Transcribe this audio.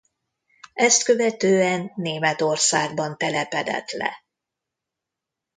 Ezt követően Németországban telepedett le.